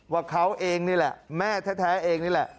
ว่าเขาเองนี่แหละแม่แท้เองนี่แหละ